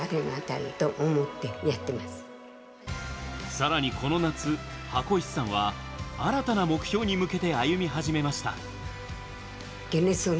さらに、この夏、箱石さんは新たな目標に向けて歩み始めました。